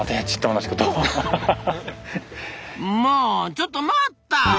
ちょっと待った！